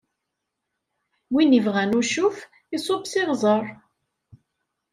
Win ibɣan ucuf, iṣubb s iɣzeṛ!